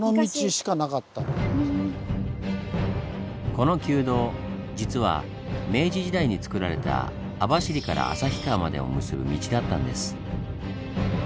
この旧道実は明治時代につくられた網走から旭川までを結ぶ道だったんです。